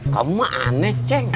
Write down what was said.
kamu aneh ceng